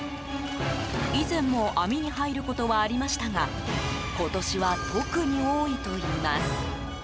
以前も網に入ることはありましたが今年は特に多いといいます。